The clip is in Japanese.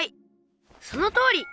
そのとおり！